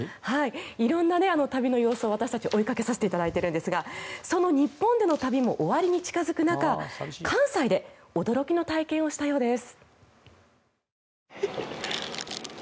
色んな旅の様子を私たち、追いかけているんですがその日本での旅も終わりに近付く中、関西で驚きの体験をしたようです。